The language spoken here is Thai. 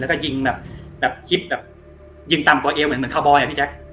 แล้วก็ยิงแบบคลิปแบบยิงต่ำกว่าเอวเหมือนคาวบอยอ่ะพี่แจ๊ค